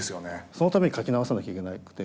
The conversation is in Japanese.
そのために書き直さなきゃいけなくて。